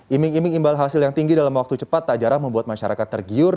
iming iming imbal hasil yang tinggi dalam waktu cepat tak jarang membuat masyarakat tergiur